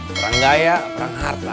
perang gaya perang harta